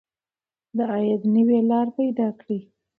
د عاید نوې لارې پیدا کړئ.